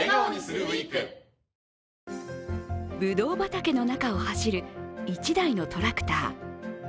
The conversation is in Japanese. ぶどう畑の中を走る１台のトラクター。